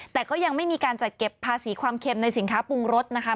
แต่ก็ยังไม่มีการจัดเก็บภาษีความเค็มในสินค้าปรุงรสนะคะ